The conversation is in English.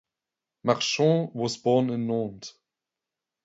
Marchand was born in Nantes.